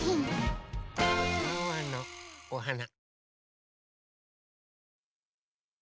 ワンワンのおはな。